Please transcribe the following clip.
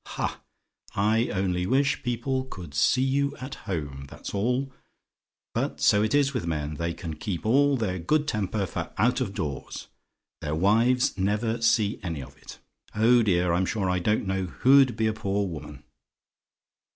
Ha! I only wish people could see you at home, that's all. But so it is with men. They can keep all their good temper for out of doors their wives never see any of it. Oh dear! I'm sure I don't know who'd be a poor woman!